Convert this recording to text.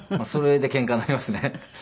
それでけんかになりますね。